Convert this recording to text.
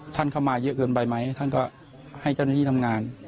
ท่านเข้ามาเยอะเกินไปไหมท่านก็ให้เจ้าหน้าที่ทำงาน